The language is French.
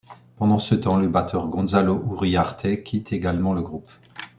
Pendant ce temps, le batteur Gonzalo Uriarte quitte également le groupe.